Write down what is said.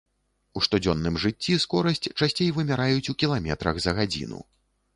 У штодзённым жыцці скорасць часцей вымяраюць у кіламетрах за гадзіну.